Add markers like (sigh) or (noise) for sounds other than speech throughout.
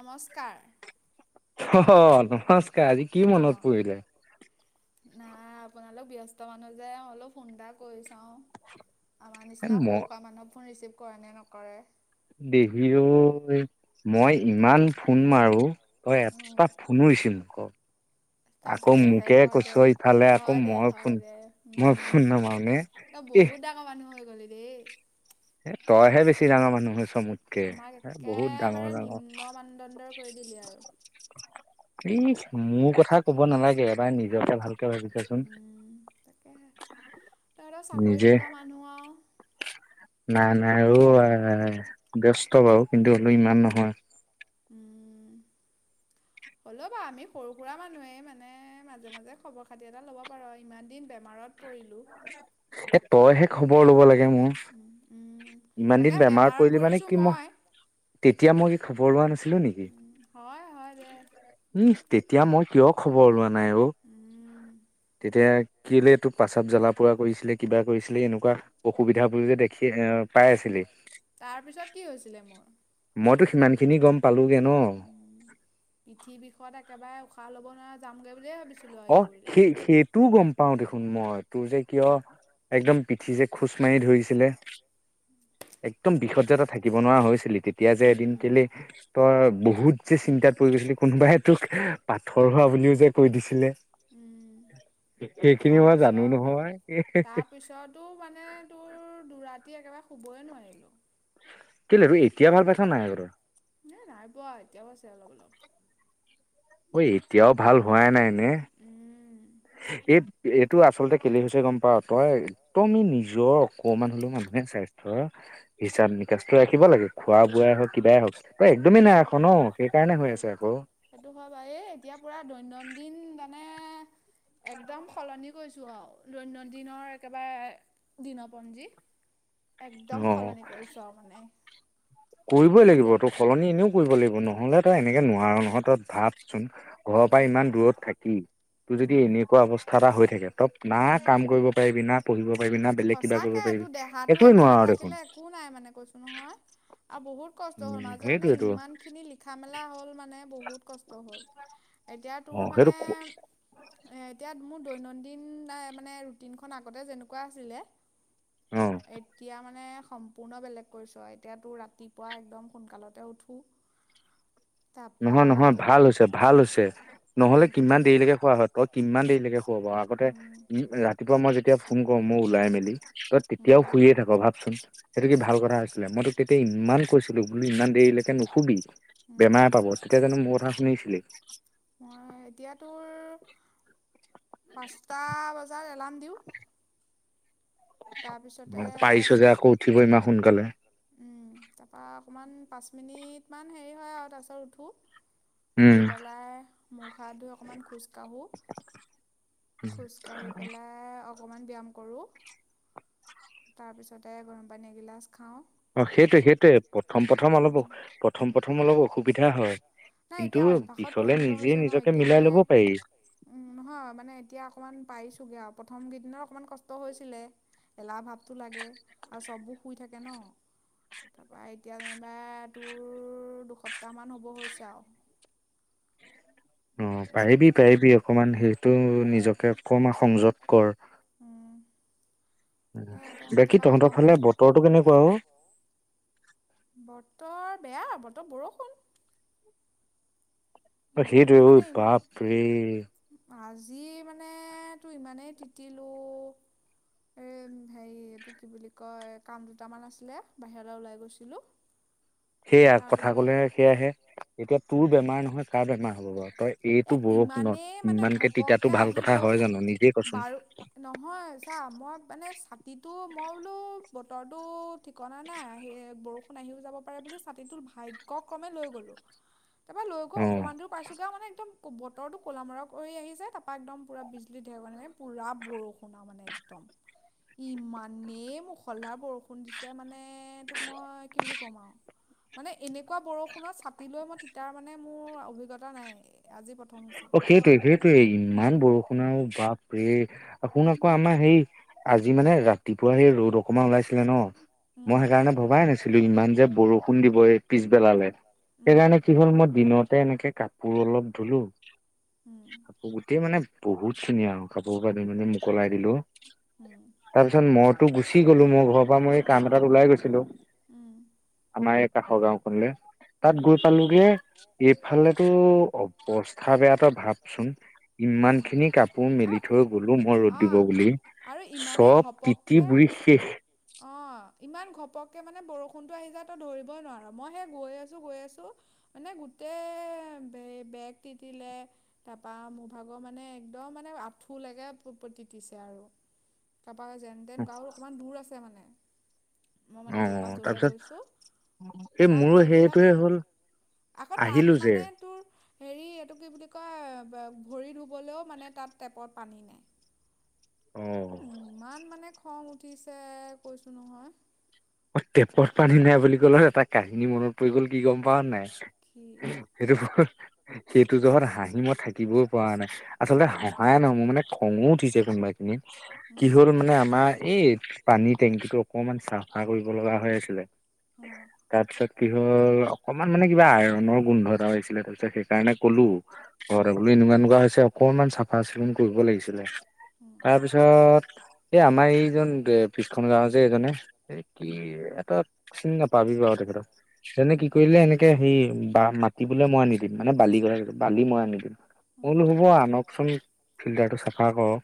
নমস্কাৰ অ হহ নমস্কাৰ আজি কি মনত অ' পৰিলে নাই আপোনালোক ব্যস্ত মানুহ যে অলপ ফোন এটা কৰি চাও আমাৰ এ নিচিনা ম সৰুকা মানুহ ফোন ৰিচিভ কৰে নে নকৰে দেহি ঐ মই ইমান ফোন মাৰো তই উম, এটা ফোনুৰিছিভ নকৰ আকৌ তাকেহে মোকে হয় কৈছ দে ইফালে আকৌ হয় দে মই ফোন হয় দে মই ফোন উম নামাৰো নে ত বহুত ডাঙৰ মানুহ হৈ গলি পে এ তইহে বেছি ডাঙৰ মানুহ হৈছ মোতকে আমাক এ বহুত ডাঙৰ একেবাৰে ডাঙৰ নিম্ন মানদণ্ডৰ কৰি দিলি আৰু ইচ মোৰ কথাক ক'ব' নালাগে এবাৰ নিজকে ভালকে ভাবিছাচোন উম, তাকেহে তহঁতৰ চাকৰি নিজে। থকা মানুহ আৰু নাই নাই ও আই ব্যস্ত। বাৰু কিন্তু হলোঁ ইমান নহয়। উম হ'লও বা আমি সৰু সুৰা মানুহে মানে মাজে মাজে খবৰ খাতি এটা ল'ব পাৰো ইমান দিন বেমাৰত পৰিলোঁ। এ তইহে খবৰ ল'ব লাগে মোৰ উম, উম, ইমান তাকে দিন বেমাৰত পৰিলে মানে পৰিছোঁ কি মই তেতিয়া মই কি খ। ব ছিলো নেকি উম, হয় হয় দে উ তেতিয়া মই কিয় খবৰ লোৱা নাই অ। উম, তেতিয়া কেলে তোক প্ৰস্ৰাৱ জ্বালা পৰা কৰিছিলে কিবা কৰিছিলে এনেকুৱা অসুবিধাবোৰ যে দেখি এ। পাই আছিলি তাৰ পিছত কি হৈছিলে মোৰ। মইতো সিমান খিনি গম। পালোগে ন উ পৃঠি বিষত একেবাৰে উশাহ। উশাহ ল'ব নোৱাৰা যামগৈ বুলিয় ভাবিছিলোঁ। আৰু অ এই পৰিলে সেই সেইটোও গম পাওঁ দেখোন। দেখোন মই তোৰ যে কিয় একদম পিঠি যে খোজ মাৰি ধৰিছিলে। একদম বিষতজে তই থাকিব নোৱাৰা হৈছিলি। তেতিয়া যে এদিন উম, কেলে তই বহুত বহুত যে চিন্তাত পৰি গৈছিল কোনোবাই তোক পাথৰ হোৱা বুলিও যে কৈ দিছিলে। উ সেইখিনি মই জানো নহয় তাৰপিছত তাৰপিছতো মানে তোৰ দুৰা। ৰাতি একেবাৰে শুবই নোৱাৰিলোঁ কি লবি এ নাই পোৱা এতিয়াও আছে অলপ অলপ। ঐ এতিয়াও ভাল হোৱাই নাই নে উম, এই এ টো আচলতে কেলেই হৈছে গম পা তই। তইনো নিজৰ অকমান হলেও মানুহে স্বাস্থ্যৰ হিচাপ নিকাচ ৰা থাকিব লাগে খোৱা বোৱাই হওক কিবাই হওক তই একদমেই নাৰাখ ন সেইকাৰণে হৈ সেই আছে আকৌ। সেইটো হয় বাৰু এই এতিয়া পুৰা দৈনন্দিন মানে একদম সলনি কৰিছোঁ আও দৈনন্দিনৰ একেবাৰে দিনৰপঞ্জী একদম অ সলনি কৰিছোঁ আৰু মানে কৰিবই লাগিব এতিয়া তোৰ সলনি এনেও। কৰিব লাগিব নহ'লে তই এনেকে নোৱাৰ নহয় ত ভাত চোন ঘৰৰ পৰা উম ইমান দূৰত থাকি তোৰ যদি উম এনেকুৱা অৱস্থা এটা হৈ থাকে ত না উম কাম কৰিব পাৰিবি না পঢ়িব পাৰিবি না বেলেগ কিবা সঁচাকে কৰিব এইটো পাৰিবি দেহাটো একোৱেই একো নোৱাৰো নাথাকিলে দেখোন একো নাই মানে কৈছোঁ নহয় আৰু বহুত কষ্ট হ'ল উম মাজে মানে সেইটোৱেতো ইমান খিনি লিখা মেলা হ'ল মানে বহুত কষ্ট হ'ল এতিয়া অ তোৰ মানে সেইটো এতিয়া মোৰ দৈনন্দিন মানে ৰুটিনখন আগতে যেনেকুৱা আছিলে অ এতিয়া মানে সম্পূৰ্ণ বেলেগ কৰিছো আৰু এতিয়াতো ৰাতিপুৱা একদম সোনকালতে উঠো তাৰপা নহয় নহয় ভাল উঠি হৈছে ভাল নহলে উম উঠি কিমান পেলাই দেৰিকে খোৱা হয় তই কিমান দেৰি কে আগতে উম ৰাতিপুৱা মই যেতি তেতিয়া ফোন কৰ মই ওলাই মেলি তই তেতিয়াও উম শুইয়ে থাক ভাবচোন সেইটো কি ভাল উম কথা আছিলে মইতো তেতিয়া ইমান। কৈছিলো বো ইমান দেৰিলৈকে নুশুবি উম হব তেতিয়া জানো মোৰ কথা শুনিছিলি? মই এতিয়া তোৰ (inaudible) পাঁচটা বজাত এলাৰ্ম দিওঁ। তাৰপিছতে পাৰিছো তোৰ যে আকৌ উঠিব ইমান সোনকালে তাৰপৰা অকণমান পাঁচ মিনিটমান হেৰি হয় আৰু তাৰপিছত উঠো উম উঠি পেলাই মুখ হাত ধুই অকণমান খোজকাঢ়ো খোজকাাঢ়ি পেলাই অকমান ব্যায়াম কৰো তাৰ পিছতে গৰম পানী এগিলাচ খাওঁ অ সেইটো সেইটোয়ে প্ৰথম প্ৰম উম, প্ৰথম প্ৰথম প্ৰথম অলপ অসুবিধা হয় নাই কিন্তু এতিয়া অভ্যসত পিছলে পৰিণত নিজে হৈছে ন নিজকে এতিয়া মিলাই মানে লব পাৰি উম নহয় মানে এতিয়া অকমান পাৰিছোগে আৰু। প্ৰথম কেইদিনত অকণমান কষ্ট হৈছিলে এলাহ ভাৱটো লাগে আৰু চব শুই থাকে ন তাৰপৰা এতিয়া যেনিবা তোৰ দুসপ্তাহমান হ'ব হৈছে যাওক অ পাৰিবি পাৰিবি অকমান সেইটো উম নিজকে অকমান সংযত কৰ উম সেয়া এতিয়া বাকী তাৰপা তহঁতৰ গৰম ফালে পানী বতৰটো কেনেকুৱা উ বতৰ বেয়া বতৰ বৰষুণ সেইটোৱে বৰষুণ ঐ মানে ইমান বাপৰে আজি মানে তো ইমানেই তিতিলোঁ এই হেৰি এইটো কি বুলি কয় কাম দুটামান আছিলে বাহিৰলৈ ওলাই গৈছিলোঁ। সেয়া কথা তাৰপিছতে কলে মানে সেয়া আহে এতিয়া তোৰ বেমাৰ নহয় কাৰ বেমাৰ হ'ব বাৰু তই এ এইটো বৰষুণত ইমানেই মানে ইমানকে তিতাতো ঘপককে ভাল আহি কথা গল হয় জানো নিজেই কচোন বাৰু নহয় চা মই মানে ছাতিটো মই বোলো বতৰটো ঠিকনা নাই স বৰষুণ আহিও যাব পাৰে বুলি ছাতিটো ভাগ্য ক্ৰমে লৈ গলো তাৰপা লৈ গৈ অ অকণমান দূৰ পাইছো গে মানে একদম বতৰটো ক'লামৰা কৰি আহিছে তাৰাপা একদম পুৰা বিজলী ঢেৰ মানে পুৰা বৰষুণ আৰু মানে একদম ইমানেই মুখলধাৰ বৰষুণ দিছে মানে তোক মই কি বুলি ক'ম আৰু মানে এনেকুৱা বৰষুণত ছাটি লৈ মই তিতাৰ মানে মোৰ অভিজ্ঞতা নাই আজি প্ৰথম হৈছে। অ সেইটোয়ে সেইটোৱে ইমান উম। বৰষুণও বাপে শুন আকৌ আমাৰ সেই আজি আজি মানে ৰাতিপুৱা সেই ৰ'দ অকণমান ওলাইছিলে ন মই উম, সেইকাৰণে ভবাই নাছিলো ইমান যে বৰষুণ খোন দিবই পিছবেলালে উম, সেইকাৰণে কি হ'ল মই দিনতে এনেকে কাট পোৰ অলপ ধুলোঁ উম, গোটেই মানে বহুত ধুনীয়া আৰু কাপোৰ পানি মানে মোকলাই দিলো উম। তাৰপিছত মইতো গুচি গলো মোৰ ঘৰৰ পৰা মই এই কাম এটাত ওলাই গৈছিলো উম, আমাৰ এই কাষৰ গাওখনলে তাত উম, গৈ পালোগে এইফালেতো অৱস্থা কথা ভাবচোন ইমান উম। খিনি কাপোৰ আ মেলি থৈ গলো ইম মই ৰ'দ দিব অ', বুলি আৰু ইমানেই চব তিতি ঘপককৈ বুৰি শেষ অঁ ইমান ঘপককৈ মানে বৰষুণটো আহি যায় তো ধৰিবই নোৱাৰ মই সেই গৈ আছোঁ গৈ আছো মানে গোটেই বেগ তিতিলে তাৰপা মোৰভাগৰ মানে একদম মানে আঁঠোলৈকে তিতিছে আৰু কাৰোবাৰ যেন তেন গাঁৱত অকণমান দূৰ আছোনে মই মানে অ য পৰা যলে তাৰপিছত গৈছো এই তাৰপৰা মোৰো গৈ পেলাই সেইটোৱে হ'ল আকৌ আহিলো তাত যে মানে তোৰ হেৰি এইটো কি বুলি কয় ভৰি ধুবলৈও মানে তাত টেপত পানী নাই অ উম ইমান মানে খং উঠিছে কৈছো নহয় অ টেপত পানী নাই বুলি ক'লা এটা কাহিনী মনত পৰি গ'ল কি গম পাও নাই কি সেইটো সেইটো জহত হাঁহি মই থাকিবই পৰা নাই আচলতে হহায়ে নহয় মানে খঙো উঠি য কোনোবাই কি উম হ'ল মানে আমাৰ এই পানীত থেংকিটো অকমান ছাপ আ কৰিব লগা হৈ আছিলে উম তাৰপিছত কি হ'ল অকণমান মানে কিবা আইৰনৰ গোন্ধ এটা হয়ছিলে তাৰপিছত সেইকাৰণে ক'লো ঘৰ উম বো এনেকুৱা এনেকুৱা হৈছে অকনমান চাফা চিকুণ কৰিব লাগিছিলে তাৰপিছত এই আমাৰ এইজন পিছখন গাও যে এজনে কি উম এটা চিনি নাপাবি বাৰ তেখেতক যেনে উম কি কৰিলে এনেকে হে বা মাটি বোলে মই আনিদিম মানে বালি কথা কৈছে বালি মই হয় নিকি মই উম বোলো হ'ব আনকচোন ফিল্টাৰটো চাফা কৰক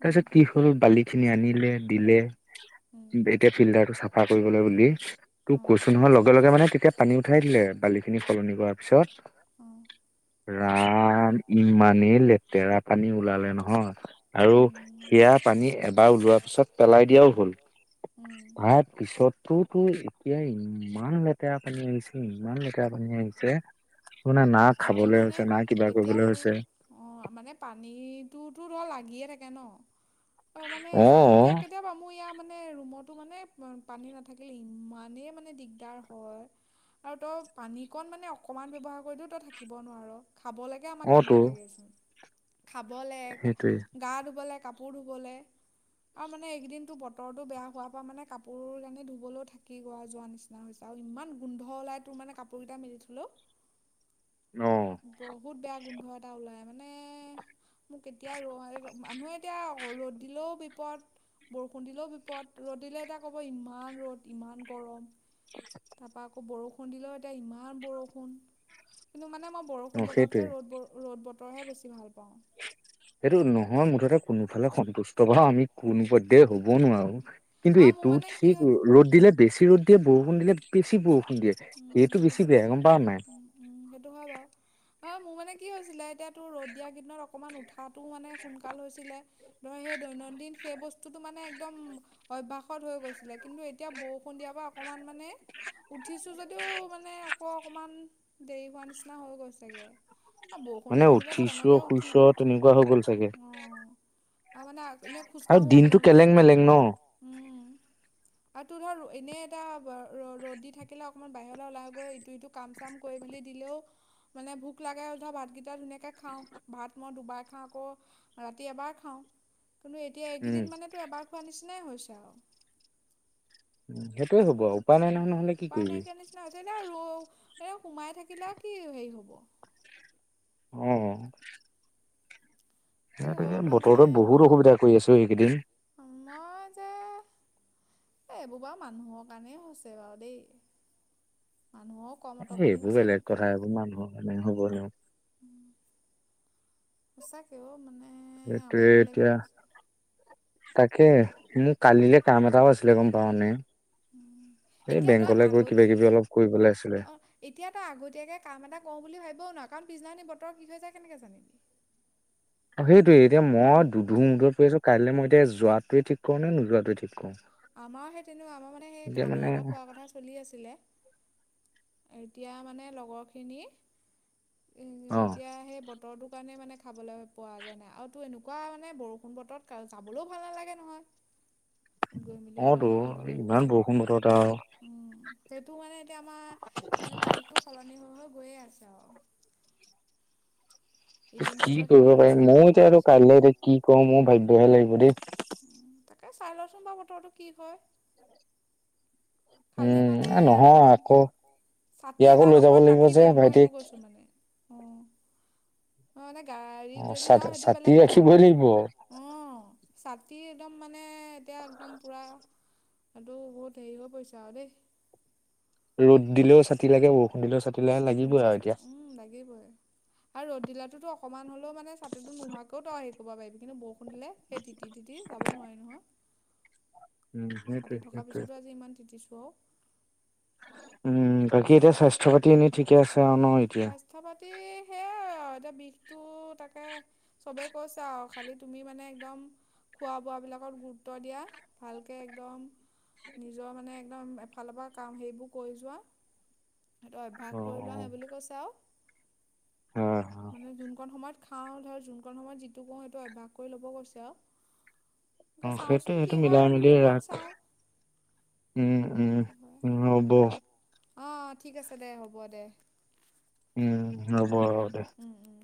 উম তাৰপিছত কি হল বালি খিনি আনিলে দিলে উম উম বে ফিল্টাৰটো চাফা কৰিবলৈ বুলি তোক অঁ কৈছোঁ নহয় হোৱাৰ লগে লগে মানে তেতিয়া পানী উঠাই দিলে বালি খিনি সলনি কৰাৰ পিছত অঁ আআআ ইমানেই লেতেৰা পানী ওলালে নহয় আৰু উম সেয়া পানী এবাৰ ওলোৱাৰ পিছত পেলাই দিয়াও হ'ল। উম তাৰ পিছতো তো এতিয়া ইমান লেতেৰা পানী আহিছে ইমান লেতেৰা পানী আহিছে ত মানে না আৰু খাবলৈ মানে হৈছে নাই। এতিয়া তোৰ অ মানে পানীটোতো ধয় লাগিয়ে থাকে কে ন অ মানে এতিয়া কেতিয়াবা মোৰ ই মানে মানে ৰুমতো মানে পানী নাথাকিলে ইমানেই মানে দিগদাৰ হয় আৰু তই পানীকণ মানে অকণমান ব্যৱহাৰ কৰিলেও তই থাকিব নোৱাৰ। খাব লাগে আমাক অ তো কিমান লাগেচোন খাবলৈ সেইটোৱে গা ধুবলৈ কাপোৰ কাপোৰ ধুবলৈ আৰু মানে এইকেইদিন তোৰ বতৰটো বেয়া হোৱাৰ পৰা মানে কাপোৰ কাৰানি ধুবলৈও থাকি গ যোৱাৰ নিচিনা হৈছে আৰু ইমান গোন্ধ ওলাই তোৰ মানে কাপোৰকেইটা মিলি থ'লোও। অ বহুত বেয়া গোন্ধ গোন্ধ এটা ওলাই মানে মোক এতিয়া ৰ মানুহে এতিয়া ৰ'দ দিলেও বিপদ বৰষুণ দিলেও বিপদ ৰ'দ দিলে এতিয়া ক'ব ইমান ৰ'দ ইমান গৰম। তাৰপাক আকৌ বৰষুণ দিলেও এতিয়া ইমান বৰষুণ কিন্তু মানে মই। অ বৰষুণ সেইটোৱে বতকে ৰ'বোৰ ৰ'দ ব ৰ'দ হে বেছি ভাল পাওঁ। সেইটো নহয় মুঠতে কোনোফালে সন্তুষ্ট বওঁ আমি কোনোও। দে হ'ব নোৱাৰো কিন্তু আৰু মোৰ এইটোত মানে কি ঠিক হৈছে ৰ'দ দিলে বেছি ৰ'দ দিয়ে বৰষুণ দিলে বেছি বৰষুণ দিয়ে। উম বেছি সেইটো উ বেয়া গম পাৱ নাই উম সেইটো হয় বাৰু। অ মোৰ মানে কি হৈছিলে এতিয়া তোৰ ৰ দ দিয়া কেইদিনত অকমান উঠাটো মানে সোনকাল হৈছিলে ধৰ সেই দৈনন্দিন সেই বস্তুতটো মানে একদম অভ্যাসত হৈ গৈছিলে কিন্তু এতিয়া ব। সন্ধিয়াৰ পৰা অকণমান মানে। উঠিছো যদিও মানে আকৌ অকণমান দেৰি হোৱা নিচিনা হৈ গৈছেগে। বৰষুণ দি মানে থাকিলে তো উঠিছো এনেকে শুইছো উঠিবি তেনেকুৱা হৈ গ'ল চাগে অঁ আৰু মানে এনে আৰু খোজকাঢ়ো দিনটো অকমান উঠি কেলেং পেলাই মেলেং ন উ উম আৰু তোৰ ধৰ এনে এটা ৰ'দ দি থাকে। থাকিলে অকণমান বাহিৰলৈ ওলাই গৈ ইটো ইটো কাম চাম কৰি মেলি দিলেও মানে ভোক লাগে ধৰ ভাতকেইটা ধুনীয়াকৈ খাওঁ ভাত মই দুবাৰ খাওঁ আকৌ ৰাতি এবাৰ খাওঁ। কন্তু এয়া এইকেইদিনা তো এবাৰ খোৱা নিছিলা। হৈছে আঁও। উ সেইটোয়ে হব উপায় নাই নহয় নহ'লে কি। পোৱা কৰিবি নাইকিয়াই নিচিনা হৈছে দে আৰু। এ সোমাই থাকিলে আৰু কি হেৰি হ'ব। অঁ তাকে অ সেইটোৱেই মানে বতৰতোয়ে বহুত অসুবিধা কৰি আছো এইকেইদিন। এ এইবোৰ বাৰ মানুহৰ কাৰণেই হৈছে বাৰু দেই মানুহৰো কম এ সেই অতপালি এইবোৰ হৈছে নি বেলেগ কথা এইবোৰ মানুহৰ ন হ'ব ন। সঁচাকে ও সেইটোৱে এতিয়া তাকে মোৰ উম কালিলে কাম উ এটাও আছিলে গম পাও নে উ এই এতিয়া তই বেংকলৈ গৈ আগতি কিবা কিবি অলপ কৰিবলৈ আছিলে অ এতিয়া তই আগতীয়াকে কাম এটা কৰ বুলি ভাবিব নোৱাৰো কাৰণ পিছদিনা বতৰ কি হৈ যায় কেনেকে জানিবি অঁ সেইটোৱে এতিয়া মই উম, দুধু- মুধুত পৰি আছো কাইলৈ মই যে যোৱাটোৱে ঠিক কৰো নোযোৱাটোৱে ঠিক কৰো। আমাৰ সেই তেনেকুৱা আমাৰ মানে সেই এতিয়া খানা মানে এটা খোৱাৰ কথা চলি আছিলে। এতিয়া মানে লগৰখিনি উম, অ এতিয়া সেই বত, বতৰটো কাৰণে মানে খাবলৈ পোৱাগে নাই আৰু তোৰ এনেকুৱা মানে বৰষুণ বতৰত তাত যাবলৈও ভাল নালাগে নহয়। গৈ মেলি অঁ তো অকণমান ফূৰ্তি ইমান কৰিবলৈও বৰষুণ বতৰত আৰু উম, সেইটো মানে এতিয়া আমাৰ মানে তাৰিখটো সলনি হৈ হৈ গৈয়ে আছে আৰু ইদিন কি পিছৰ কৰিব সিদিন পাৰিম পিছুৱাব ময় লগা যে আৰু হৈছে। কাইলৈ এতিয়া কি কৰো মোৰ ভাভিবহে লাগিব দেই। তাকে চাই লচোন বা বতৰটো কি হয়? খালি উম মানে নহয় উম আকৌ উ ছাতি ইয়াকো এটা লৈ যাব লগত লাগিব যে ৰাখিবিয়ে মই সেইটো ভাইটিক কৈছো মানে অঁ অঁ নাই না অ গাড়ীত যদি ছা যাওঁ সেইটো ছাতি বেলেগ কথা ৰাখিবই বাৰু, লাগিব অঁ ছাতি একদম মানে এতিয়া একদম পুৰা এইটো বহুত হেৰি হৈ পৰিছে আৰু দেই ৰদ দিলেও ছাতি লাগে বৰষু বৰষুণ দি আছে, উম লাগিবই আৰু ৰদ দিলেও ৰ'দটো অকমান হলেও মানে ছাতিটো নোহোৱাকৈ তয় হেৰি কৰিব পাৰিবি কিন্তু বৰষু শুনিলে সেই তিটি তিটি যাব নোৱাৰি নহয়। উম সেইটোৱেই সেইটোৱে তো উম উ উ উ বাকী এতিয়া স্বাস্থ্য পাতি এনে ঠিকে আছে। আৰু ন এতিয়া স্বাস্থ্য পাতি সেয়া এতিয়া বিষ টো তাকে চবেই কৈছে আৰু খালি তুমি মানে একদম খোৱা বোৱাবিলাকত গুৰুত্ব দিয়া ভালকে একদম নিজৰ মানে একদম এফালৰ পৰা কাম সেইবোৰ কৰি যোৱা সেইটো অ অ অভ্যাস কৰি লোৱা হে বুলি কৈছে হয় হয় মানে যোনকন সময়ত খাওঁ ধৰ যোনকন সময়ত যিটো কওঁ, সেইটো অভ্যাস কৰি ল'ব কৈছে আৰু। অ তাকে সেইটো চাওঁচোন কি সেইটো হয় মিলাই আৰু মেলি দুদিনমান ৰাখ। চাওঁ উম, উম। হ'ব। অ, ঠিক আছে দে। হ'ব দে। উম, হ'ব উম উম দে। উম উম।